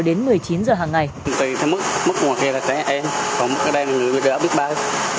thấy em không có đang gỡ bếp bơi